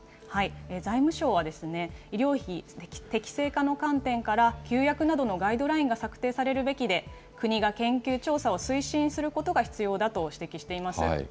財務省は、医療費適正化の観点から、休薬などのガイドラインが策定されるべきで、国が研究・調査を推進することが必要だと指摘しています。